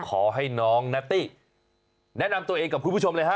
ขอให้น้องนาตตี้แนะนำตัวเองกับคุณผู้ชมเลยฮะ